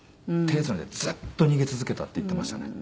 「手つないでずっと逃げ続けた」って言っていましたね。